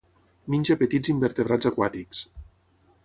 Menja petits invertebrats aquàtics.